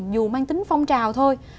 dù mang tính phong trào thôi